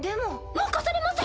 任されます。